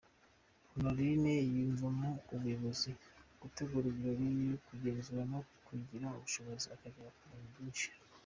Honorine yiyumvamo ubuyobozi, gutegura ibirori , kugenzura no kugira ubushobozi akagera ku bintu byinshi.